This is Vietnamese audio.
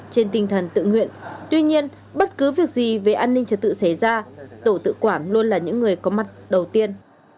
trên tinh thần tự nguyện tuy nhiên bất cứ việc gì về an ninh trật tự xảy ra tổ tự quản luôn là những người có mặt đầu tiên